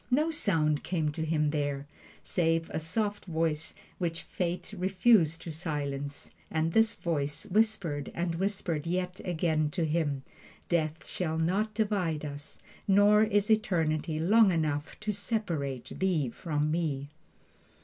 No sound came to him there, save a soft voice which Fate refused to silence, and this voice whispered and whispered yet again to him: "Death shall not divide us, nor is eternity long enough to separate thee from me!"